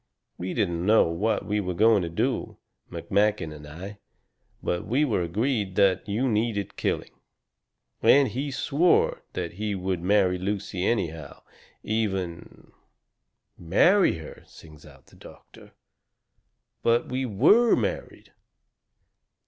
We didn't know what we were going to do, McMakin and I, but we were both agreed that you needed killing. And he swore that he would marry Lucy anyhow, even " "MARRY HER!" sings out the doctor, "but we WERE married."